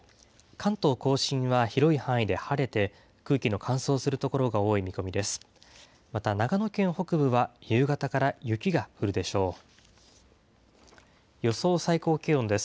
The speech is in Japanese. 関東甲信は広い範囲で晴れて、空気の乾燥する所が多い見込みです。